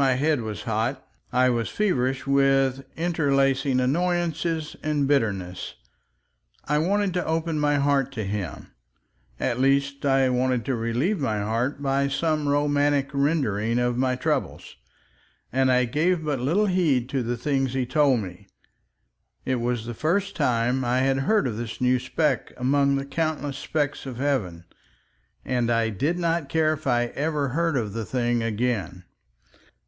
My head was hot, I was feverish with interlacing annoyances and bitterness, I wanted to open my heart to him—at least I wanted to relieve my heart by some romantic rendering of my troubles—and I gave but little heed to the things he told me. It was the first time I had heard of this new speck among the countless specks of heaven, and I did not care if I never heard of the thing again.